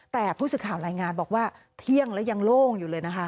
แต่ผู้สื่อข่าวรายงานบอกว่าเที่ยงแล้วยังโล่งอยู่เลยนะคะ